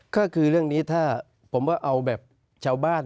ก็คือเรื่องนี้ถ้าผมว่าเอาแบบชาวบ้าน